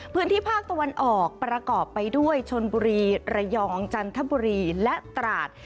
พื้นที่ภาคตะวันออกประกอบไปด้วยชนบุรีระยองจันทบุรีและตราด